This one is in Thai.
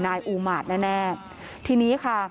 นายอูมาตรแน่แน่ทีนี้ค่ะ